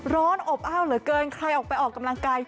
ร้อนอบอ้าวเหลือเกินใครออกไปออกกำลังกาย